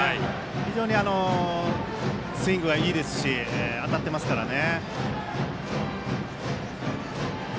非常にスイングがいいですし当たってますからね。